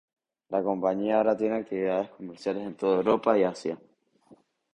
La compañía ahora tiene actividades comerciales en toda Europa y Asia.